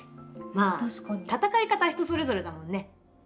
まあ戦い方は人それぞれだもんね。